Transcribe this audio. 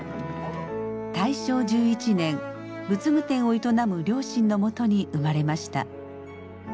大正１１年仏具店を営む両親のもとに生まれました。